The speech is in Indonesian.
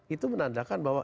itu menandakan bahwa